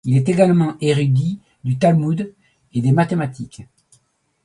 Il est également érudit du Talmud et des mathématiques.